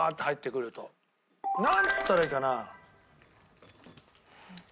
なんつったらいいかな。